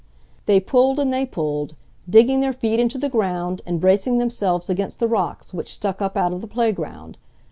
They pulled and they pulled, digging their feet into the ground and bracing themselves against the rocks which stuck up out of the playground.